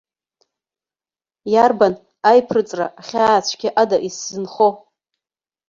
Иарбан аиԥрыҵра ахьаа цәгьа ада исзынхо?